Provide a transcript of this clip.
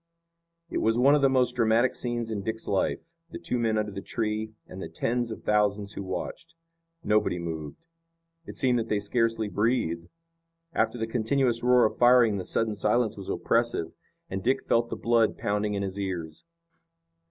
It was one of the most dramatic scenes in Dick's life, the two men under the tree, and the tens of thousands who watched. Nobody moved. It seemed that they scarcely breathed. After the continuous roar of firing the sudden silence was oppressive, and Dick felt the blood pounding in his ears.